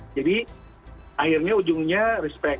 jadi akhirnya ujungnya respect